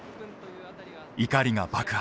怒りが爆発。